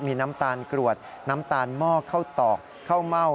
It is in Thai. มีน้ำตาลกรวดน้ำตาลหม้อข้าวตอกข้าวเม่า